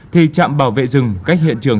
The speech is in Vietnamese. thì chạm bảo vệ rừng cách hiện trường